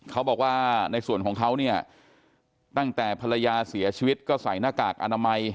เขาบอกว่าในส่วนของเขาเนี่ยตั้งแต่ภรรยาเสียชีวิตก็ใส่หน้ากากอนามัย